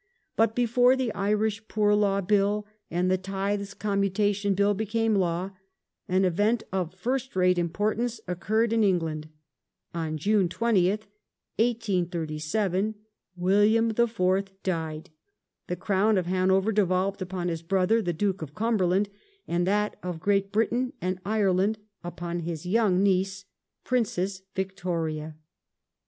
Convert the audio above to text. But before the Irish Poor Law Bill and the Tithes Commutation Bill became law, an event of } fii st rate importance occurred in England. On June 20th, 1837, William IV. died ;. the Crown of Hanover devolved upon his brother, the Duke of Cumberland, and that of Great Britain and Ireland upon his young niece. Princess Victoria.